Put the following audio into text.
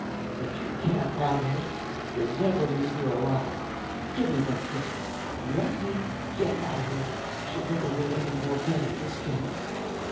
But you can't have her. You'll never leave here alive. Give me that girl! Let me get at her! She'll never win any more men in this camp."